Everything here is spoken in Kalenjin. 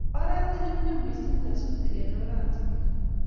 Oret konyumnyumi missing nyasutiik eng oratinweek.